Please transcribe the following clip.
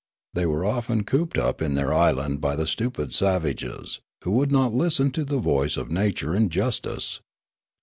They were often cooped up in their island by the stupid savages, who would not listen to the voice of nature and justice.